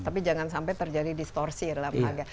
tapi jangan sampai terjadi distorsi dalam laga